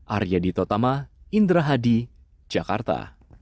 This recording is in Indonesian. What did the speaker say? arya ditotama indra hadi jakarta